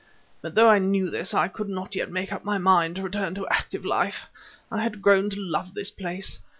But though I knew this, I could not yet make up my mind to return to active life; I had grown to love this place.